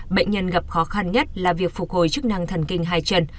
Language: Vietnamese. bệnh nhân gặp khó khăn nhất là việc phục hồi chức năng thần kinh hai chân